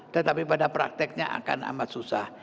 tetapi pada prakteknya akan amat susah